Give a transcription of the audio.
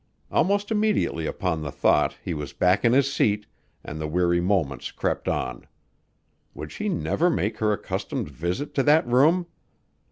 Almost immediately upon the thought he was back in his seat, and the weary moments crept on. Would she never make her accustomed visit to that room?